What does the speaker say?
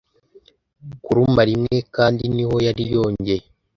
kuruma rimwe kandi niho yari yongeye